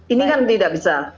ini kan tidak bisa